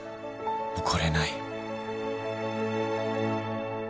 怒れない。